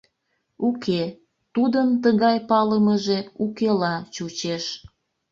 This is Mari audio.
Уке, тудын тыгай палымыже укела чучеш.